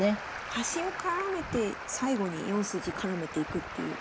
端を絡めて最後に４筋絡めていくっていう。